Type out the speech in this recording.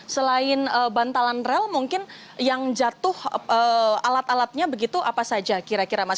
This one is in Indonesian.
selain bantalan rel mungkin yang jatuh alat alatnya begitu apa saja kira kira mas